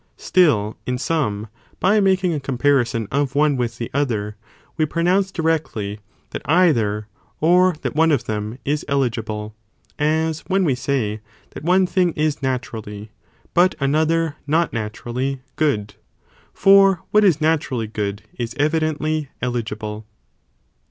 Still in some, by making a comparison. of one with the other, we pro nounce directly, that either, or that one of them, is eligible, as when we say, that one thing is naturally, but another not naturally, good, for what is ἜΡΙΣ good is evidently eligible.